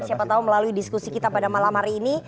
siapa tahu melalui diskusi kita pada malam hari ini